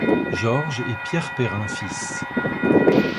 Georges et Pierre Perrin fils.